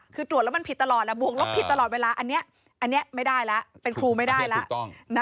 คือตรวจแล้วมันผิดตลอดบวกลบผิดตลอดเวลาอันนี้ไม่ได้แล้วเป็นครูไม่ได้แล้ว